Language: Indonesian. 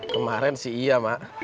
kemarin sih iya mak